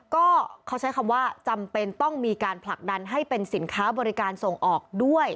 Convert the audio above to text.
ก็เขาใช้คำว่าจำเป็นต้องมีการผลักดันให้เป็นสินค้าบริการส่งออกด้วย